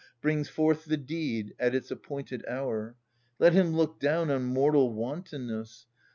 Brings forth the deed, at its appointed hour ! TiCt him look down on mortal wantonness